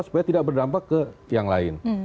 supaya tidak berdampak ke yang lain